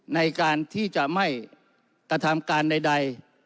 ในการที่จะไม่กระทำการใด